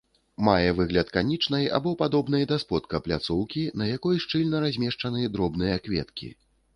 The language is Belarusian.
Мае выгляд канічнай або падобнай да сподка пляцоўкі, на якой шчыльна размешчаны дробныя кветкі.